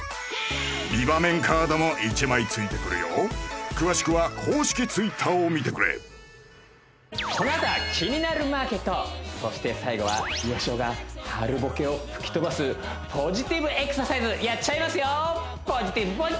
美バメンカードも１枚ついてくるよ詳しくは公式Ｔｗｉｔｔｅｒを見てくれそして最後はよしおが春ボケを吹き飛ばすポジティブエクササイズやっちゃいますよ！